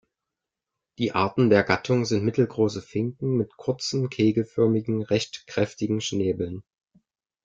Die Arten der Gattung sind mittelgroße Finken mit kurzen, kegelförmigen, recht kräftigen Schnäbeln.